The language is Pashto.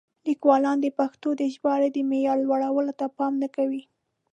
لیکوالان د پښتو د ژباړې د معیار لوړولو ته پام نه کوي.